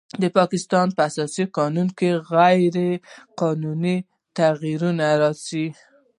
د پاکستان په اساسي قانون کې غیر قانوني تغیر راوست